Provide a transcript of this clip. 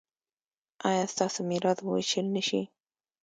ایا ستاسو میراث به ویشل نه شي؟